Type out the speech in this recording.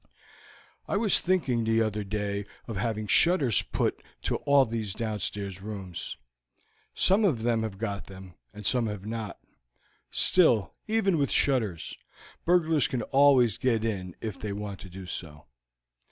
"I was thinking the other day of having shutters put to all these downstair rooms. Some of them have got them, and some have not; still, even with shutters, burglars can always get in if they want to do so.